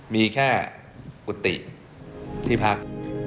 มีแค่กุฏิที่พัก